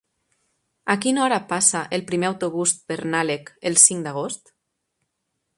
A quina hora passa el primer autobús per Nalec el cinc d'agost?